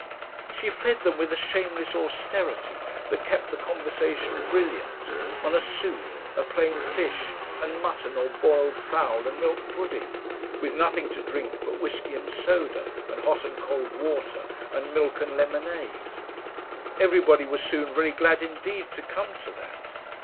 She fed them with a shameless austerity that kept the conversation brilliant, on a soup, a plain fish, and mutton or boiled fowl and milk pudding, with nothing to drink but whisky and soda, and hot and cold water, and milk and lemonade. Everybody was soon very glad indeed to come to that.